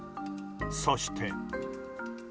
そして。